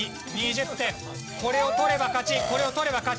これを取れば勝ちこれを取れば勝ち。